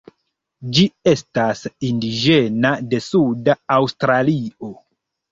Ĝi estas indiĝena de suda Aŭstralio.